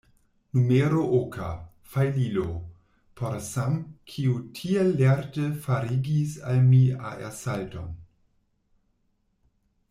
Numero oka: Fajlilo; por Sam, kiu tiel lerte farigis al mi aersalton.